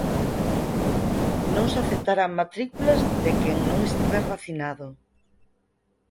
Non se aceptarán matrículas de quen non estiver vacinado